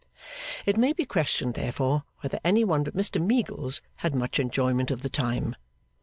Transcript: It may be questioned, therefore, whether any one but Mr Meagles had much enjoyment of the time.